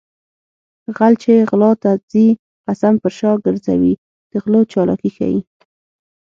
غل چې غلا ته ځي قسم پر شا ګرځوي د غلو چالاکي ښيي